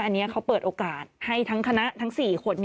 อันนี้เขาเปิดโอกาสให้ทั้งคณะทั้ง๔คน